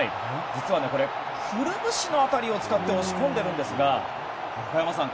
実は、くるぶしの辺りを使って押し込んでいるんですが中山さん